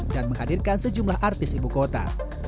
dan menghadirkan sejumlah artis ibu kota